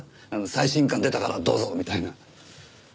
「最新刊出たからどうぞ」みたいな。